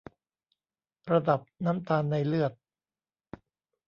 ระดับน้ำตาลในเลือด